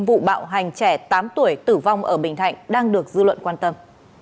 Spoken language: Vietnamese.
vụ bạo hành trẻ tám tuổi tử vong ở bình thạnh đang được dư luận quan tâm